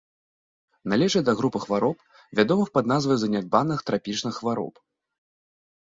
Належыць да групы хвароб, вядомых пад назвай занядбаных трапічных хвароб.